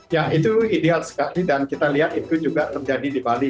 ya itu ideal sekali dan kita lihat itu juga terjadi di bali